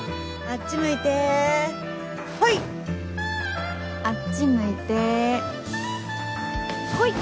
あっち向いてホイ！